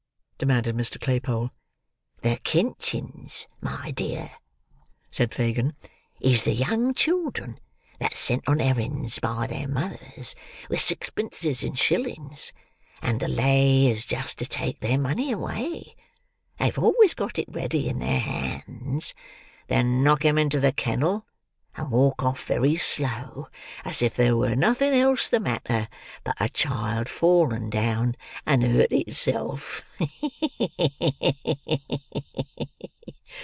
demanded Mr. Claypole. "The kinchins, my dear," said Fagin, "is the young children that's sent on errands by their mothers, with sixpences and shillings; and the lay is just to take their money away—they've always got it ready in their hands,—then knock 'em into the kennel, and walk off very slow, as if there were nothing else the matter but a child fallen down and hurt itself.